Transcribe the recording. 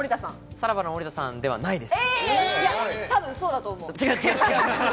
さらばの森田さんではないです。